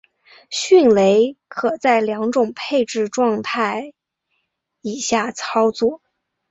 迅雷可在两种配置状态以下操作。